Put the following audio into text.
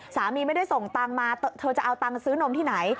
ไม่ได้ส่งตังค์มาเธอจะเอาตังค์ซื้อนมที่ไหน